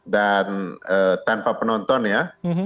dan tanpa penonton ya